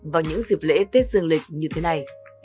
vào những dịp lễ tết dân lịch như thế này